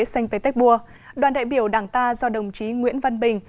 xanh về tết bùa đoàn đại biểu đảng ta do đồng chí nguyễn văn bình